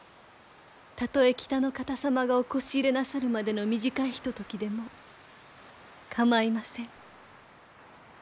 たとえ北の方様がおこし入れなさるまでの短いひとときでも構いません。